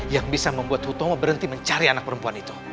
yang bisa membuat hutomo berhenti mencari anak perempuan itu